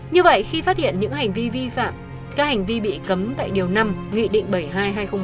như vậy khi phát hiện những hành vi vi phạm các hành vi bị cấm tại điều năm nghị định bảy mươi hai hai nghìn một mươi ba